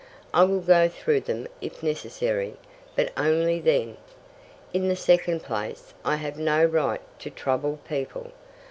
I will go through them if necessary, but only then. In the second place I have no right to trouble people.